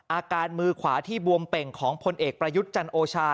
มือขวาที่บวมเป่งของพลเอกประยุทธ์จันโอชา